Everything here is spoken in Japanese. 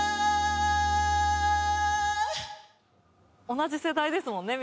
同じ世代ですもんね